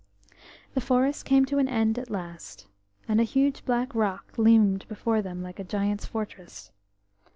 The forest came to an end at last, and a huge black rock loomed before them like a giant's fortress.